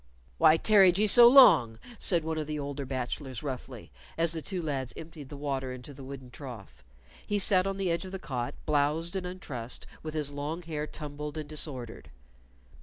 "Why tarried ye so long?" said one of the older bachelors, roughly, as the two lads emptied the water into the wooden trough. He sat on the edge of the cot, blowzed and untrussed, with his long hair tumbled and disordered.